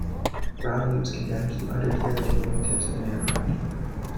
Ground loops can damage the undercarriage and wingtips of an aircraft.